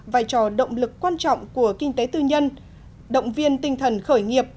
vai trò động lực quan trọng của kinh tế tư nhân động viên tinh thần khởi nghiệp